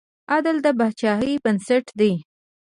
عدل د پاچاهۍ بنسټ دی.